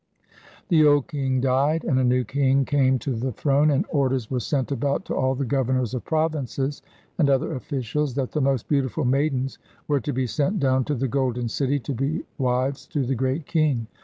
The old king died, and a new king came to the throne, and orders were sent about to all the governors of provinces and other officials that the most beautiful maidens were to be sent down to the Golden City to be wives to the great king.